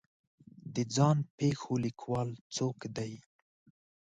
د ځان پېښو لیکوال څوک دی